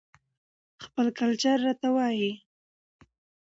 خپل کلچر راته وايى